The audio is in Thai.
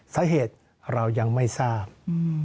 สาเหตุเรายังไม่ทราบ